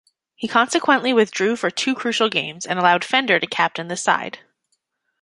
He consequently withdrew for two crucial games, and allowed Fender to captain the side.